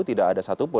tidak ada satupun